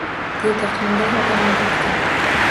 Dedi: “Qanday odamlar oʻtgan!”